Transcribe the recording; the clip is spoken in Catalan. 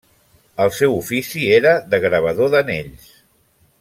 El seu ofici era de gravador d'anells.